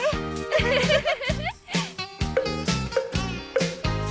ウフフフ。